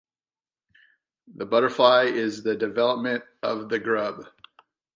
The butterfly is the development of the grub.